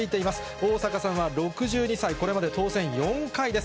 逢坂さんは６２歳、これまで当選４回です。